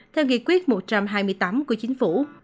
theo nghị quyết một trăm hai mươi tám của chính phủ